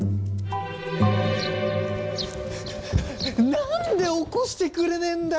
何で起こしてくれねえんだよ！